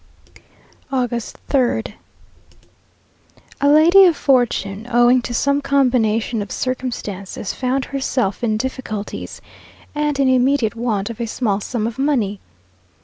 August 3rd. A lady of fortune, owing to some combination of circumstances, found herself in difficulties, and in immediate want of a small sum of money.